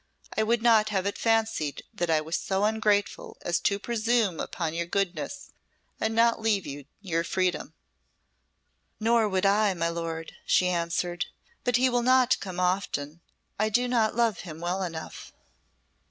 I would not have it fancied that I was so ungrateful as to presume upon your goodness and not leave to you your freedom." "Nor would I, my lord," she answered. "But he will not come often; I do not love him well enough."